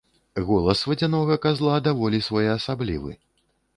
Голас вадзянога казла даволі своеасаблівы.